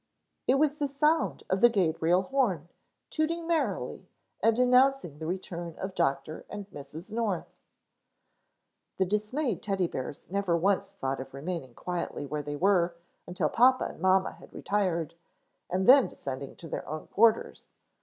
It was the sound of the Gabriel horn, tooting merrily and announcing the return of Dr. and Mrs. North. The dismayed Teddy bears never once thought of remaining quietly where they were until papa and mamma had retired, and then descending to their own quarters.